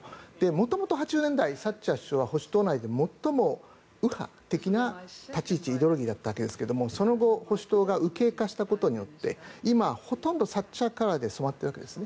元々８０年代、サッチャー首相は保守党内で最も右派的な立ち位置イデオロギーだったわけですがその後、保守党が右傾化したことによって今ほとんどサッチャーカラーで染まっているわけです。